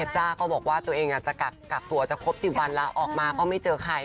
จ้าก็บอกว่าตัวเองจะกักตัวจะครบ๑๐วันแล้วออกมาก็ไม่เจอใคร